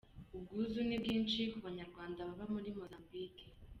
Ubwuzu ni bwinshi ku Banyarwanda baba muri Mozambique.